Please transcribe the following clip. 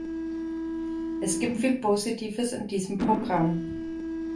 Es gibt viel Positives in diesem Programm.